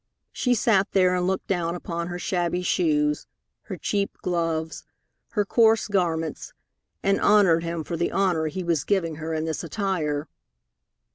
She sat there and looked down upon her shabby shoes, her cheap gloves, her coarse garments, and honored him for the honor he was giving her in this attire.